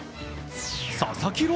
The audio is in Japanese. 佐々木朗